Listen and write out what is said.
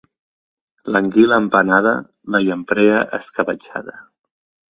L'anguila empanada, la llamprea escabetxada.